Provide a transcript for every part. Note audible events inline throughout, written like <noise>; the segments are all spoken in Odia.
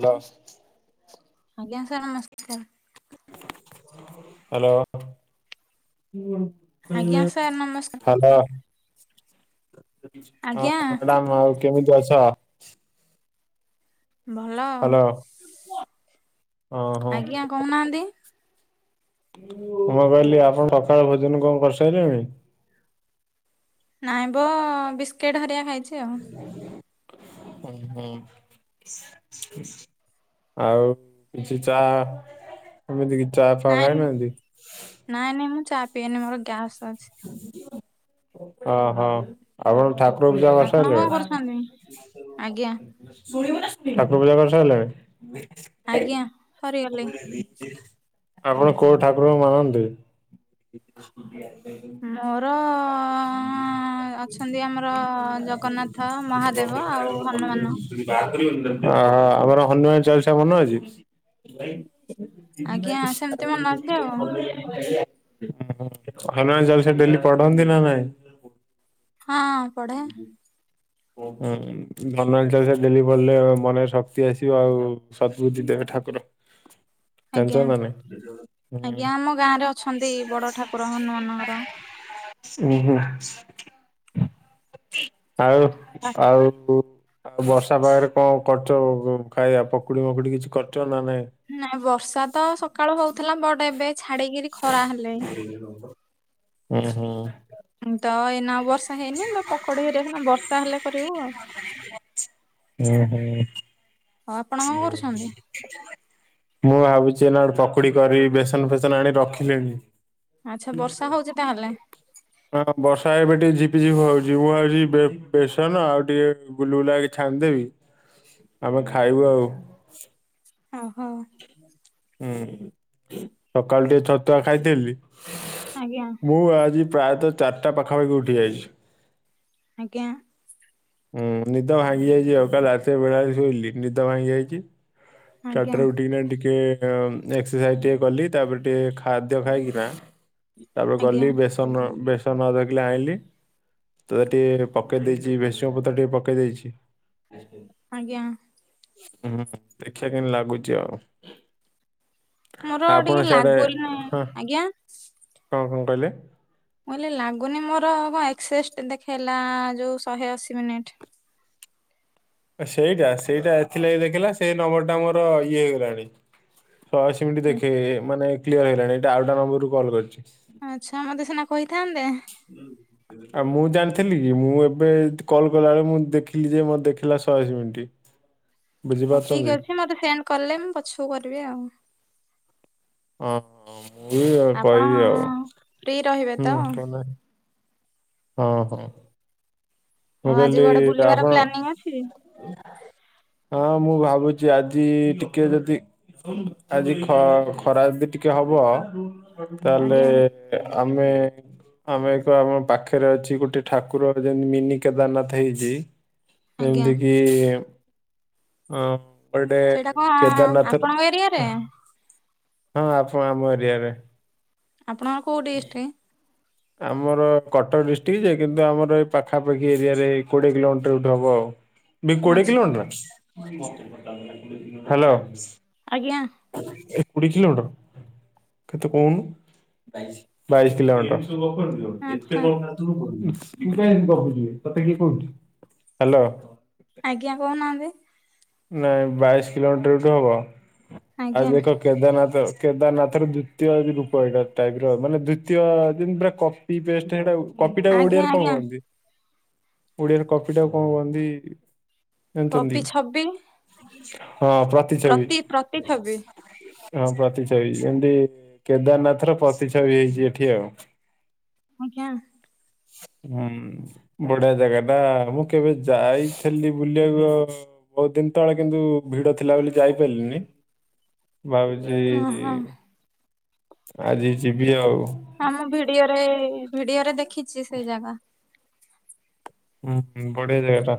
ହ୍ୟାଲୋ ହାଲୋ ଆଜ୍ଞା ସାର୍ ନମସ୍କାର। Hello hello. ଆଜ୍ଞା ସାର୍ ନମସ୍କାର <unintelligible> ଆଉ ଆଜ୍ଞା ମ୍ୟାଡାମ୍ ଆଉ କେମିତି ଅଛ? ଭଲ। ଓ ହୋ। ଆଜ୍ଞା କହୁନାହାନ୍ତି ମୁଁ କହିଲି ଆପଣ ସକାଳ ଭୋଜନ କଣ କରି ସାରିଲେଣି? ନାଇଁବ ବିସ୍କେଟ୍ ହେରିକା ଖାଇଚି ଆଉ। ଉଁ ହୁଁ। ଆଉ କିଛି ଚା ଏମିତି କି ଚା ଫା ନାଇଁ ଖାଇନାହାନ୍ତି? ନାଇଁ ନାଇଁ ମୁଁ ଚା ପିଏନି ମୋର ଗ୍ୟାସ୍ ଅଛି। ଓହୋ। ଆପଣ ଠାକୁର ପୂଜା ଆପଣ କଣ କରିସାରିଲେଣି? କରୁଛନ୍ତି ଆଜ୍ଞା ଠାକୁର ପୂଜା କରିସାରିଲେଣି? ଆଜ୍ଞା। ମୁଁ ସରିଗଲି ବୋଇଲେ ରିତେଶ। ଆପଣ କୋଉ ଠାକୁରଙ୍କୁ ମାନନ୍ତି? ମୋର ହ ଅଁ ଅଁ ଅଁ ଅଛନ୍ତି। ଆମର ଜଗନ୍ନାଥ, ଓହୋ ମହାଦେବ ଆଉ ହନୁମାନ। ଆମର ହନୁମାନ ଚାଳିଶା ମନେ ଅଛି? <unintelligible> ଉହୁଁ ଆଜ୍ଞା ସେମିତି ମନେ ଅଛି ଆଉ ହନୁମାନ ଚାଲିସା ଡେଲି ପଢନ୍ତି ନା ନାଇଁ? ହଁ ପଢ଼େ। ଓ <unintelligible> ହନୁମାନ ଚାଲିଷା ଡେଲି ପଢିଲେ ମନରେ ଶକ୍ତି ଆସିବ। ଆଉ ସଦବୁଧି ଦେବେ ଠାକୁର। <inaudible> ଆଜ୍ଞା‌, ଜାଣିଛ ନା ନାଇଁ? ଉଁ ଆଜ୍ଞା ଆମ ଗାଁ ରେ ଅଛନ୍ତି ବଡ ଠାକୁର ହନୁମାନଙ୍କର। <unintelligible> ଉହୁଁ। ଆଉ ଆଉ ବର୍ଷା ପାଗରେ କଣ କରିଚ ଖାଇବା? ପକୁଡି ଫକୁଡି କିଛି କରିଛ ନା ନାଇଁ? ନା ବର୍ଷା ତ ସକାଳୁ ହଉଥିଲା ବଟ ଏବେ ଛାଡିକିରି ଖରା ହେଲେଣି। ଏ ରଙ୍ଗ। ହୁଁ ହୁଁ। ତ ଏଇନା ବର୍ଷା ହେଇନି ନ ପକୋଡି ହେରା ବତ୍ରା ହେଲେ କରିବୁ ଆଉ। <unintelligible> ହୁଁ ହୁଁ <unintelligible> ଆଉ ଆପଣ କଣ କରୁଛନ୍ତି? <unintelligible> ମୁଁ ଭାବୁଛି ଏ ନା ଗୋଟେ ପକୁଡି କରିବି, ବେସନ ଫେସନ ଆଣି ରଖିଲିଣି। ଆଚ୍ଛା <unintelligible> ବର୍ଷା ହଉଛି ତାହେଲେ ହଁ ବର୍ଷା ଏବେ ଟିକେ ଝିପିଝପି ହଉଛି, ମୁଁ ଭାବୁଛି ବେ ବେସନ ଆଉ ଟିକେ ଗୁଲୁଗୁଲା ଏ ଛାଡିଦେବି, ଆମେ ଖାଇବୁ ଆଉ। ଓହୋ ହୁଁ ସକାଳୁ ଟିକେ ଛତୁଆ ଖାଇଥିଲି। ଆଜ୍ଞା। ମୁଁ ଆଜି ପ୍ରାୟତଃ ଚାରିଟା ପାଖାପାଖି ଉଠିଯାଇଛି। ଆଜ୍ଞା। ହୁଁ ନିଦ ଭାଙ୍ଗି ଯାଇଛି ଆଉ। କାଲି ରାତିରେ ବେଳାବେଳି ଶୋଇଲି। ନିଦ ଭାଙ୍ଗି ଯାଇଛି। ଆଜ୍ଞା ଚାରିଟାରୁ ଉଠିକିନା ଟିକେ ଏକ୍ସରସାଇଜି ଟିକେ କଲି। ତାପରେ ଟିକେ ଖାଦ୍ୟ ଖାଇକିନା ତାପରେ ଆଜ୍ଞା ଗଲି ବେଶ ଧନ ବେସନ ଅଧକିଲେ ଆଇଁଲି। ତ ଟିକେ ପକେଇ ଦେଇଛି ଭେସଙ୍ଗ ପତ୍ର ଟିକେ ପକେଇ ଦେଇଛି। ଆଜ୍ଞା। ହୁଁ ଦେଖିବା କେ ଲାଗୁଚ ଆଉ। ମୋର ଟିକେ ଆପଣ ସିଆଡେ, ଲାଗୁନି ହ ଆଜ୍ଞା। କଣ କଣ କହିଲେ? ମୁଁ କହିଲେ ଲାଗୁନି ମୋର କଣ ଏକ୍ସେ ଦେଖେଇଲା ଯୋଉ ଶହେ ଅଶୀ ମିନିଟ୍। ସେଇଟା ସେଇଟା ଏଥିଲାଗି ଦେଖେଇଲା ସେଇ ନମ୍ବର ଟା ମୋର ଇଏ ହେଇଗଲାଣି। ହ ସେମିତି ଦେଖେ ମାନେ କ୍ଲିୟର ହେଇଗଲାଣି, ଏଟା ଆଉଟା ନମ୍ବର ରୁ କଲ୍ କରିଛି। ଆଛା, ମତେ ସିନା କହିଥାନ୍ତେ। ଆଉ ମୁଁ ଜାଣିଥିଲି କି ମୁଁ ଏବେ କଲ କଲାବେଳେ ମୁଁ ଦେଖିଲି ଯେ ମତ ଦେଖିଲା ଶହେ ଅସି ମିଣ୍ଟିି। ହଉ ଠିକ୍ ଅଛି, ମତେ ସେଣ୍ଡ କଲେ ମୁଁ ପଛକୁ କରିବି ଆଉ। ହଁ ମୁଁ ବି ଆଉ ଆପଣ କହିବି ଆଉ। ଫ୍ରି ରହିବେ ତ? ହୁଁ କହୁନା ହଁ ହଁ। ମୁଁ ଆଉ ଆଜି କହିଲି କୁଆଡେ ବୁଲିବାର ଆପଣ? ପ୍ଲାନିଂ ଅଛି? ହଁ ମୁଁ ଭାବୁଛି ଆଜି ଟିକେ ଯଦି ଆଜି ଖ ଖରା ଅଦି ଟିକେ ହବ ଆଜ୍ଞା ତାହେଲେ ଆମେ ଆମେ ଏକ ଆମ ପାଖରେ ଅଛି ଗୋଟେ ଠାକୁର ଯେମତି ମିନି କେଦାରନାଥ ହେଇଚି ଆଜ୍ଞା ଯେମିତି କିି ଆ ପରଡେ ସେଇଟା କଣ କେଦାରନାଥରେ ଆପଣଙ୍କ ଏରିଆରେ ହଁ ଆପ ଆମ ଏରିଆରେ। ଆପଣଙ୍କ କୋଉଁ ଦିଷ୍ଟ? ଆମର କଟକ ଡିଷ୍ଟ୍ରିକ ଯେ କିନ୍ତୁ ଆମର ଏଇ ପାଖାପାଖି ଏରିଆରେ କୋଡିଏ କିଲୋମିଟର ଏଇଠୁ ହବ ବି କୋଡେ ଆଚ୍ଛା କିିଲୋ ମିଟର ହ୍ୟାଲୋ। ଆଜ୍ଞା। ଏ କୋଡିଏ କିଲୋମିଟର କେତେ କହୁନୁ ବାଇସ କିଲୋମିଟର। <unintelligible> ଏତେ ଆଚ୍ଛା କଣ ହ୍ୟାଲ। ଆଜ୍ଞା କହୁନାହାନ୍ତି। ନାଇଁ ବାଇଶ କିଲୋମିଟର ଏଠୁ ହବ ଆ ଆଜ୍ଞା ଦେଖ କେଦାରନାଥ କେଦାରନାଥ ର ଦ୍ଵିତୀୟ ରୂପ ଏଇଟା ଟାଇପ ର ମାନେ ଦ୍ଵିତୀୟ ଜିନ୍ ପୁରା କ ପି ପେଷ୍ଟ ହେଟାଉ କପିଟା ଆଜ୍ଞା ଓଡିଆରେ କ ଆଜ୍ଞା କୁହନ୍ତି ଓଡିଆରେ କପି ଟା କ କୁହନ୍ତି? ଜାନଚନ୍ତି? ହବି ହଁ ପ୍ରତିଛବି। ପ୍ରତି ଛବି ହଁ ପ୍ରତିଛବି ଏମତି କେଦାରନାଥ ର ପ୍ରତିଛବି ହେଇଛି ଏଠି ଆଉ। ଆଜ୍ଞା। ହୁଁ। ବଢିଆ ଜାଗାଟା ମୁଁ କେବେ ଯାଇଥିଲି ବୁଲିବାକୁ ବହୁତ୍ ଦିନ ତଳେ କିନ୍ତୁ ଭିଡ ଥିଲା ବୋଲି ଯାଇପାରିଲିନି। ଭାବୁଚି ଓହୋ ଆଜି ଯିବି ଆଉ। ହଁ ମୁଁ ଭିଡିଓରେ ଭିଡିଓରେ ଦେଖିଚି ସେଇ ଜାଗା। ଉହୁଁ ବଢିଆ ଜାଗା ଟା।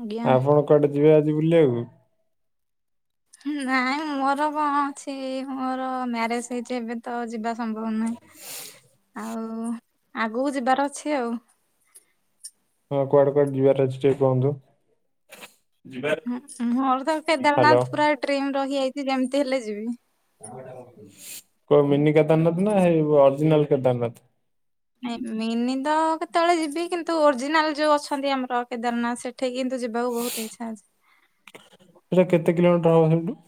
ଆଜ୍ଞା ଆପଣ କୁଆଡେ ଯିବେ ଆଜି ବୁଲିବାକୁ? ନାଇଁ ମୋର କ ଅଛି ମୋର ମ୍ୟାରେଜ ହେଇଚି ଏବେ ତ ଯିବା ସମ୍ଭବ ନୁହେଁ ଆଉ ଆଗକୁ ଯିବାର ଅଛି ଆଉ। ହଁ କୁଆଡେ କୁଆଡେ ଯିବାର ଅଛି ଟିଏ କୁହନ୍ତୁ? ହଁ ମୋର ତ ହ୍ୟାଲୋ କେଦାରନାଥ ପୁରା ଡ୍ରିମ୍ ରହିଯାଇଚି ଯେମିତି ହେଲେ ଯିବି। କୋଉ ମିନି କେଦାରନାଥ ନା ହେଁଇ ଅରଜିନାଲ କେଦାରନାଥ? ନାଇଁ ମିନି ତ କେତେବେଳେ ଯିବି କିନ୍ତୁ ଓରିଜିନାଲ ଯୋଉ ଅଛନ୍ତି ଆମର କେଦାରନାଥ ସେ ଠି କିନ୍ତୁ ଯିବାକୁ ବହୁତ ଇଚ୍ଛା ଅଛି। ହେଁଟା କେତେ କିଲୋମଟର ହବ ହେଇଟୁ?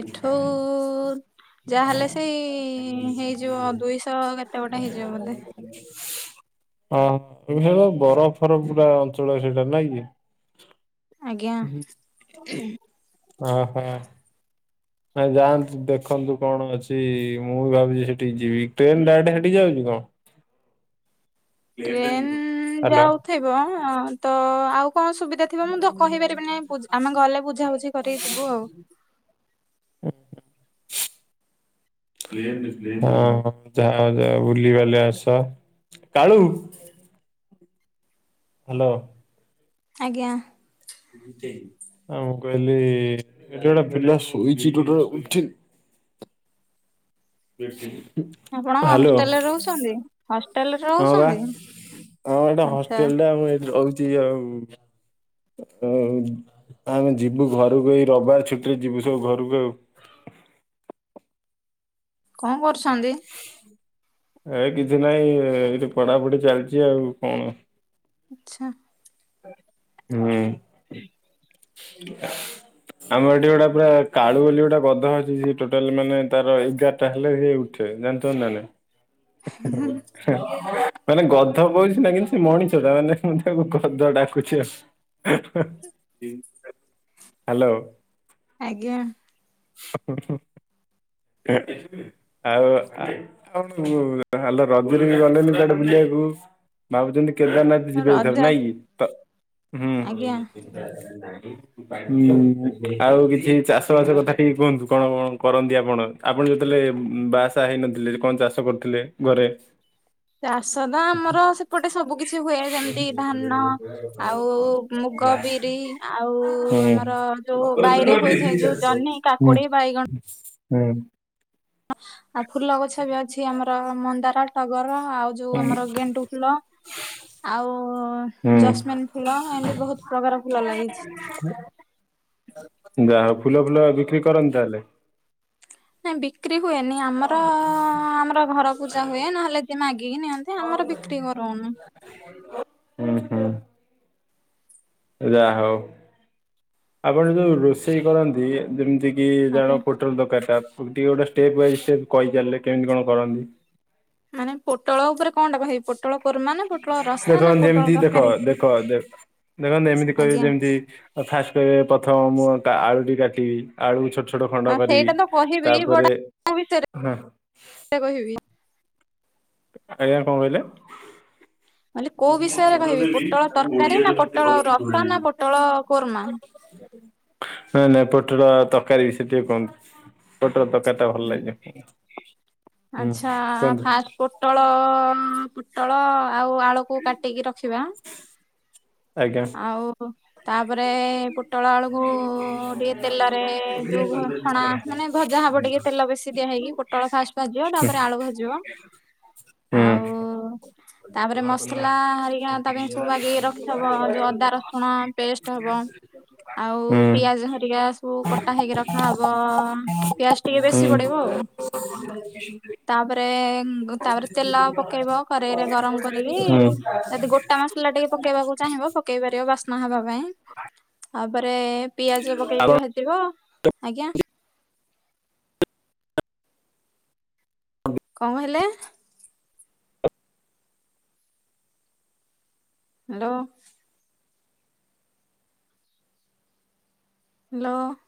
ଏଠୁ ଯାହାହଲେ ସେଇ ହେଇଯିବ ଦୁଇଶହ କେତେ ଗୋଟେ ହେଇଯିବ ବୋଧେ। ହ ହ <unintelligible> ବରଫ ଫରଫ ପୁରା ଅଞ୍ଚଳ ସେଇଟା ନାଇଁ କି? ଆଜ୍ଞା। ହଁ ହଁ। ନାଇ ଯାଆନ୍ତୁ ଦେଖନ୍ତୁ କଣ ଅଛି ମୁଁ ବି ଭାବୁଛି ସେଠିକି ଯିବି ଟ୍ରେନ ଡାଇରେକ୍ଟ ହେଠି ଯାଉଚି କଣ? ଟ୍ରେନ ହ୍ୟାଲୋ ଯାଉଥିବ ଆତ ଆଉ କଣ ସୁବି ଥିବ ମୁଁ ତ କହିପାରିବିନି ଗଲେ ବୁଝାବୁଝିି କରିକି ଯିବୁ ଆଉ। ଉହୁଁ। ହଁ ଯା ଯା ବୁଲିବାଲି ଆସ। କାଳୁ ହ୍ୟାଲୋ। ଆଜ୍ଞା। ମୁଁ କହିଲି ଏଠି ଗୋଟେ ପିଲା ଶୋଇଛି ଟୋଟାଲି ଉଠି ଆପଣ ହ୍ୟାଲୋ ହଷ୍ଟେଲରେ ରହୁଛନ୍ତି? ହଷ୍ଟେଲରେ ହଁ ବା। ହଁ ବା ରହୁଛନ୍ତି ଏଇଟା ଆଚ୍ଛା ହଷ୍ଟେଲଟା ମୁଁ ଏଠି ରହୁଛି ଆଉ। ହ ଆମେ ଯିବୁ ଘରକୁ ଏଇ ରବିବାର ଛୁଟିରେ ଯିବୁ ସବୁ ଘରକୁ ଆଉ। କଣ କରୁଛନ୍ତି? ଏ କିଛି ନାଇଁ ଏଇଠି ପଢାପଢି ଚାଲିଛି ଆଉ କଣ? ଆଛା। ହୁଁ। ହୁଁ ହ ଆମର ଏଠି ଗୋଟା ପୁରା କାଳୁ ବୋଲି ଗୋଟେ ଗଧ ଅଛି ସିଏ ଟୋଟାଲ ମାନେ ତାର ଏଗାରଟା ହେଲେ ସିଏ ଉ <unintelligible> ହୁଁ ହୁଁ। ମାନେ ଗଧ କହୁଛି ନା କିନ୍ତୁ ସେ ମଣିଛ ଟା ମାନେ ମୁଁ ତାକୁ ଗଧ ଡାକୁଛି ଆଉ। ହ୍ୟାଲୋ। ଆଜ୍ଞା। ହୁଁ ହୁଁ। <inaudible> ଆଉ ହ୍ୟାଲୋ ରଜରେ ବି ଗଲେନି କଆଡେ ବୁଲିବାକୁ? ଭାବୁଛନ୍ତି କେଦାରନାଥ ଯିବେ ରଜ ଏଥର ନାଇଁ କି ତ ଆଜ୍ଞା ହୁଁ। ଆଉ କିଛି ଚାଷ ବାସ କଥା ଟିକେ କୁହନ୍ତୁ, କଣ କଣ କରନ୍ତି ଆପଣ? ଆପଣ ଯେତେବେଳେ ବାହାସାହା ହେଇନଥିଲେ କଣ ଚାଷ କରୁଥିଲେ ଘରେ? ଚାଷ ତ ଆମର ସେପଟେ ସବୁ କିଛି ହୁଏ ହୁଁ ଯେମିତି ହୁଁ ହୁଁ ଧାନ ହୁଁ ଆଉ ମୁଗ, ବିରି ଆଉ ଆମର ଯୋଉ ବାଇରେ ହୋଇଥାଏ ଯୋଉ ଜହ୍ନି, କାକୁଡି, ବାଇଗଣ। ହୁଁ। ଆଉ ଫୁଲ ଗଛ ବି ଅଛି ଆମର ମନ୍ଦାର, ଟଗର ଆଉ ଯୋଉ ଆମର ଗେଣ୍ଡୁ ଫୁଲ। ଆଉ ଜସ୍ମିନ ଫୁଲ ଏମିତି ବହୁତ ପ୍ରକାର ଫୁଲ ଲାଗିଛି। ହ ଯାହା ହଉ ଫୁଲ ଫୁଲ ବିକ୍ରି କରନ୍ତି ତାହେଲେ? ନାଇଁ ବିକ୍ରି ହୁଏନି ଆମର ଆମର ଘର ପୂଜା ହୁଏ ନହେଲେ କିଏ ମାଗିକି ନିଅନ୍ତି। ଆମର ବିକ୍ରି କରଉନୁ ଉ ହୁଁ। ଯା ହଉ ଆପଣ ଯୋଉ ରୋଷେଇ କରନ୍ତି ଯେମିତି କିି ଆଜ୍ଞା। ଯାଉ ପୋ ଟଳ ତରକାରୀ ଟା ଟିକେ ଗୋଟେ ଷ୍ଟେପ୍ ବାଇ ଷ୍ଟେପ୍ କହିଚାରିଲେ କେମିତି କଣ କରନ୍ତି? ମାନେ ପୋଟଳ ଉପରେ କଣ ଟା କହିବି ପୋଟ ଦେଖ ଯେମିତି ଦେଖ ତରକାରୀ? ଦେଖ ଦେଖ ଦେଖନ୍ତୁ ଏମିତି କହିବେ ଆଜ୍ଞା ଯେମିତି ଫାଷ୍ଟ କହିବେ ପ୍ରଥମ ମୁଁ ଆଳୁଟି କାଟିବି। ଆଳୁ ଛୋଟ ଛୋଟ ଖଣ୍ଡ ହଁ କରିବି ସେଇଟା ତ କହିବି ତାପରେ ହ ଟା କହିବି? ଆଜ୍ଞା କଣ କହିଲେ? କହିଲି କୋଉ ବିଷୟରେ <inaudible> ନାଇଁ କହିବି ନାଇଁ ପୋଟଳ ତରକାରୀ ପୋଟଳ ନା ପୋଟଳ ରସା ନା ପୋଟଳ କୋରମା? ତରକାରୀ ବିଷୟରେ ଟିକେ କୁହନ୍ତୁ? ପୋଟଳ ତରକାରୀ ଟା ଭଲ ଲାଗେ। ହୁଁ ଆଚ୍ଛା କୁହନ୍ତୁ ଫାଷ୍ଟ। ପୋଟଳ ପୋଟଳ ଆଉ ଆଳୁକୁ କାଟିକି ରଖିବା। ଆଜ୍ଞା। ହୁଁ ଆଉ ତାପରେ ପୋଟଳ ଆଳୁକୁ ଟିକେ ତେଲରେ ଯୋଉ ଛଣା ହୁଁ ମାନେ ଭଜା ହବ ଟିକେ ତେଲ ବେଶୀ ଦିଆହଇକି ପୋଟଳ ଫାଷ୍ଟ ଭାଜିବ ତାପରେ ଆଳୁ ଭାଜିବ। ଆଉ ତାପରେ ମସଲା ହରିକା ତା ପାଇଁ ସବୁ ବାଗେଇ କି ରଖିଥବ ଯୋଉ ଅଦା ରସଣ ପେଷ୍ଟ ହବ ଆଉ ପିଆଜ ହରିକା ସବୁ କଟା ହେଇକି ରଖାହବ ପିଆଜ ଟିକେ ବେଶୀ ପଡିବ ଆଉ। ହ ହ <inaudible> ତାପରେ ତାପରେ ତେଲ ପକେଇବ କରେଇରେ ଗରମ କରିକି ହୁଁ ଯି ଗୋଟା ମସଲା ଟିକେ ପକେଇବାକୁ ଚାହିଁବ ପକେଇ ପାରିବ ବାସ୍ନା ହେବା ପାଇଁ ତାପରେ ପିଆଜ ଆପଣ ପକେଇକି ଭାଜି ବ ଆଜ୍ଞା। ହଁ। କଣ କହିଲେ? ହ୍ୟାଲୋ। ହଁ।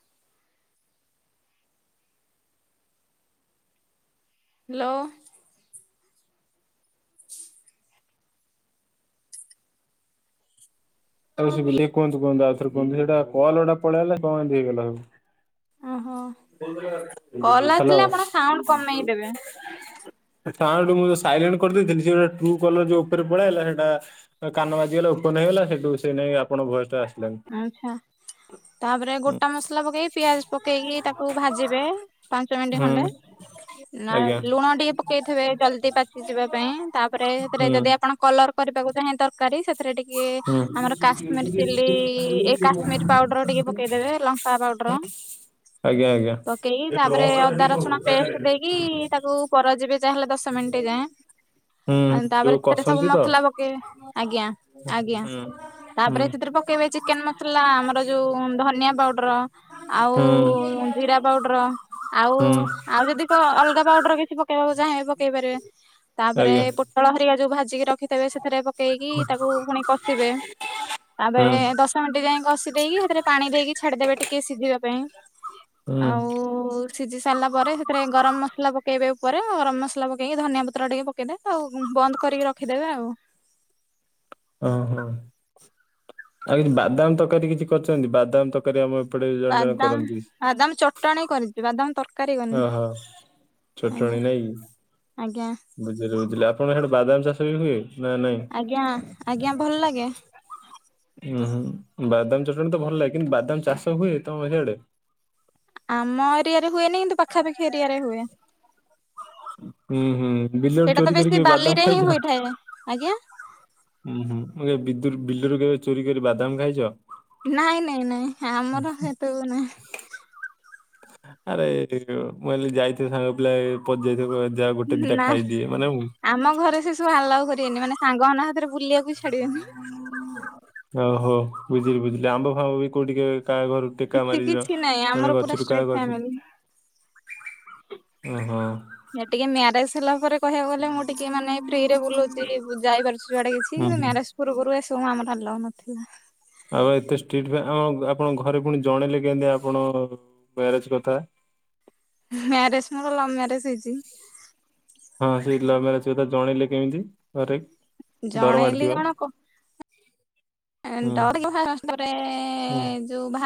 ହ୍ୟାଲୋ। ଆ କୁହନ୍ତୁ କୁହନ୍ତୁ ଆଉ ଥରେ କୁହନ୍ତୁ ସେଇଟା କଲଟା ପଳେଇଲାଲେ କଣ ହେଇଲା ଏମିତି ଓହୋ। କଲ୍ ଆସିଲେ ହ୍ୟାଲୋ। ଆପଣ ସାଉଣ୍ଡ କମେଇ ଦେବେ। ତା ଗୁ ମୁଁ ସାଇଣ୍ଟ କରିଦେଇଥିଲି ସେ ଗୋଟ ଟୁ କଲର ଯୋଉ ଉପରେ ପଳେଇଲା ସେଇଟା କାନ ବାଜିଗଲା ଓପନ ହେଇଗଲା ସେଠୁ ସେଇ ନେଇାଇ ଆପଣଙ୍କ ଭଏସ୍ ଟା ଆସିଲାନି। ଆଛା ତାପରେ ହୁଁ ଗୋଟା ମସଲା ପକେଇକି ପିଆଜ ପକେଇକି ତାକୁ କୁ ଭାଜିବେ ପାଞ୍ଚ ମିନିଟ୍ ହୁଁ ଖଣ୍ଡେ ନା ଆଜ୍ଞା ଲୁଣ ଟିକେ ପକେଇଥିବେ ଜଲଦି ପାଚିଯିବା ପାଇଁ ତାପରେ ସେଥିରେ ହୁଁ। ଯଦି ଆପଣ କଲର କରିବାକୁ ଯଁ ଦରକାରୀ ସେଥିରେ ଟିକେ ହୁଁ ଆମର କାଶ୍ମୀର ଚିଲି ଏଇ ଏ କାଶ୍ମୀର ପାଉଡର ଟିକେ ପକେଇଦେବେ ଲଙ୍କା ପାଉଡର। ଆଜ୍ଞା ଆଜ୍ଞା। ପକେଇକି ତାପରେ ଅଦା ରସୁଣ ପେଷ୍ଟ ଦେଇକି ତାକୁ କର ଯିବେ ଯାଁ ହେଲେ ଦଶ ମିନିଟ ଯାଁଏ। ହୁଁ ତାପରେ ଯୋଉ ସେ ସବୁ କଷନ୍ତି ତ। ମସଲା ପକେଇ ଆଜ୍ଞା ଆଜ୍ଞା। ହୁଁ ହୁଁ ତାପରେ ସେଥିରେ ପକେଇବେ ଚିକେନ ମସଲା ଆମର ଯୋଉ ଧନିଆ ପାଉଡର। ଆଉ ହୁଁ ଜିରା ପାଉଡର ଆଉ ହୁଁ ଆଉ ଯଦି ଅଲଗା ପାଉଡର କିଛି ପକେଇବାକୁ ଚାହିଁଲେ ପକେଇ ପାରିବେ ତାପରେ ଆଜ୍ଞା ପୋ ତଳହରିକ ଯୋଉ ଭାଜିକି ରଖିଥିବେ ସେଥିରେ ପକେଇକି ତାକୁ ପୁଣି କଷିବେ। ତାପରେ ହୁଁ ଦଶ ମିନିଟ୍ ଯାଇ କଷି ଦେଇେଇକି ସେଥିରେ ପାଣି ଦେଇକି ଛାଡିଦେବେ ଟିକେ ସିଝିବା ପାଇଁ। ହୁଁ ଆଉ ସିଝି ସାରିଲା ପରେ ସେଥିରେ ଗରମ ମସଲା ପକେଇବା ଉପରେ ଗରମ ମସଲା ପକେଇକି ଧନିଆ ପତ୍ର ଟିକେ ପକେଇଦେବେ ଆଉ ବନ୍ଦ କରିକି ରଖିଦେବେ ଆଉ। ଓହୋ ଆଉ କିଛି ବାଦାମ ତରକାରୀ କିଛି କରିଛନ୍ତି ବାଦାମ ତରକ ତରକାରୀ ଆମ ଏପଟେ ଜଣେ ଜଣେ ବାଦାମ କରନ୍ତି। ବାଦାମ ଚ ଚଟଣି କରିଚି, ବାଦାମ ତରକାରୀ କରିନି ଓହୋ ଚଟଣି ଆଜ୍ଞା ନାଇଁ କି? ଆଜ୍ଞା। ବୁଝିଲି ବୁଝିଲି ଆପଣ ହିଆଡୁ ବାଦାମ ଚାଷ ବି ହୁଏ ନା ନାଇଁ? ଆଜ୍ଞା ଆଜ୍ଞା ଭଲ ଲାଗେ। ଉୁଁ ହୁଁ ବାଦାମ ଚଟଣୀ ତ ଭଲ ଲାଗେ କିନ୍ତୁ ବାଦାମ ଚାଷ ହୁଏ ତମ ହିଆଡେ? ଆମ ଏରିଆରେ ହୁଏନି କିନ୍ତୁ ପାଖାପାଖି ଏରିଆରେ ହୁଏ। ହୁଁ ହୁଁ ବିଲରୁ ସେଇଟା ତ ଚୋରି ବେଶୀ କରିକି ବାଦାମ ବାଲିରେ ହିଁ ଖାଇଚ? ହୋଇଥାଏ ଆଜ୍ଞା ଉୁଁ ହୁଁ ଏ ବିଦୁରୁ ବିଲରୁ କେବେ ଚୋରି କରି ବାଦାମ ଖାଇଚ? ନାଇଁ ନାଇଁ ନାଇଁ ଆମର ହେତକ ନାହିଁ। ଆରେ ମୁଁ ଭାବିଲି ଯାଇଥିବେ ସାଙ୍ଗ ପିଲା ପଶିଯାଇଥିବ ଯାହା ଗୋଟେ ନାହିଁ ଦିଟା ନାଇଁ ଖାଇଦି ଏ ମାନେ ଆମ ଘରେ ସେ ସବୁ ଆଲାଉ କରିବେନି, ମାନେ ସାଙ୍ଗ ମାନଙ୍କ ସାଥିରେ ବୁଲିବାକୁ ବି ଛାଡିବେନି। ଓହୋ ବୁଝିଲି ବୁଝିଲି ଆମ୍ବ ଫାମ୍ବ ବି କୋଉ ଟିକେ କାହା ଘରୁ ଟେକା କିଛି ମାରିଥିଲ କିଛି ନାହିଁ ଆମର ମାନେ ପୁରା ଗଛରୁ କାହା ଷ୍ଟ୍ରିଟ୍ ଗଛ ଓହୋ ଯେ ଟିକେ ମ୍ୟାରେଜ ହେଲା ପରେ କହିବାକୁ ଗଲେ ମୁଁ ଟି ଟିକେ ମାନେ ଫ୍ରିରେ ବୁଲୁଚି ଯାଇପାରୁଚି ଯୁଆଡେ କିଛି ହୁଁ ତ ହୁଁ ମ୍ୟାରେ ପୂର୍ବରୁ ଏସବୁ ଆମର ଆଲାଉ ନଥିଲା। ଆଉ ଏତେ ଷ୍ଟ୍ରିଟ୍ ପାଇଁ ଆଉ ଆପଣଙ୍କ ଘରେ ପୁଣି ଜଣେଇଲେ କେମତି ଆପଣ ମ୍ୟାରେଜ କଥା? ମ୍ୟାରେଜ ମୋର ଲଭ୍ ମ୍ୟାରେଜ ହେଇଚି। ହଁ ସେଇ ଲଭ ମ୍ୟାରେଜ୍ କଥା ଜଣେଇଲେ କେମିତି ଘରେ? ଡର ଜଣେଇଲି ମାଡିଥିବ କଣ କ ହୁଁ ଡରିଲୁ ଫାଷ୍ଟ ତାପରେ ହୁଁ। ଯୋଉ ଭା